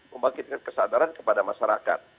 membangkitkan kesadaran kepada masyarakat